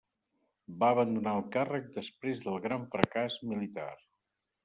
Va abandonar el càrrec després del gran fracàs militar.